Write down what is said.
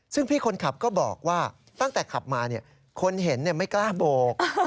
ซึ่งพี่คนขับก็บอกว่าตั้งแต่ขับมาคนเห็นไม่กล้าโบก